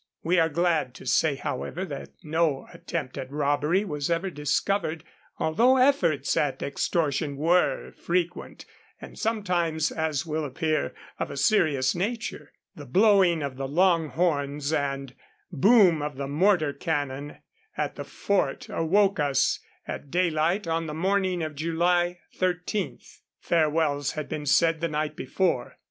We are glad to say, however, that no attempt at robbery was ever discovered, although efforts at extortion were frequent, and sometimes, as will appear, of a serious nature. The blowing of the long horns and boom of the mortar cannon at the fort awoke us at daylight on the morning of July 13. Farewells had been said the night before.